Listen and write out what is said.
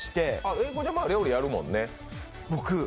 英孝ちゃん料理やるもんね。